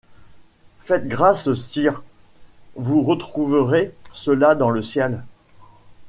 Faites grâce, sire! vous retrouverez cela dans le ciel.